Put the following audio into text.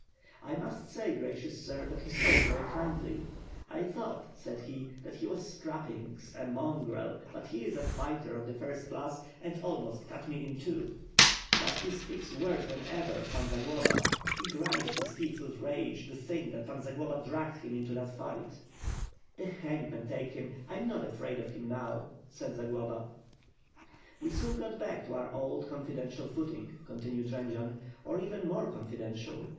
"1 must say, gracious sir, that he spoke very kindly, '1 thought,' said he, 'that he was scrapings, a mongrel; but he is a fighter of the first class, and almost cut me in two,' but he speaks worse than ever of Pan Zagloba. He grinds his teeth with rage to think that Pan Zagloba dragged him into that fight." "The hangman take him! I am not afraid of him now," said Zagloba. "We soon got back to our old confidential footing," con tinued Jendzian, "or even more confidential.